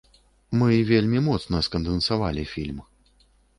Мы вельмі моцна скандэнсавалі фільм.